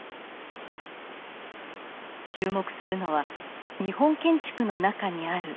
注目するのは日本建築の中にある暗闇。